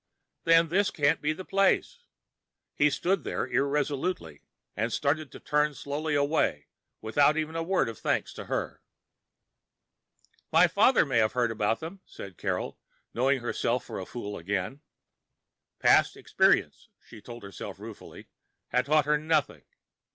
"Then this can't be the place." He stood there irresolutely and started to turn slowly away without even a word of thanks to her. "My father may have heard about them," said Carol, knowing herself for a fool again. Past experience, she told herself ruefully, had taught her nothing.